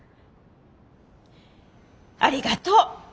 ありがとう。